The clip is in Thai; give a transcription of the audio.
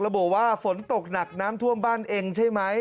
ระบุว่าฝนตกหนักน้ำท่วมบ้านเองใช่ไหม